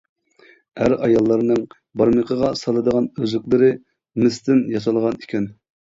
ئەر-ئاياللارنىڭ بارمىقىغا سالىدىغان ئۈزۈكلىرى مىستىن ياسالغان ئىكەن.